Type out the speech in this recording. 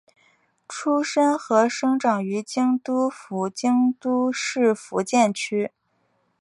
出身和生长于京都府京都市伏见区。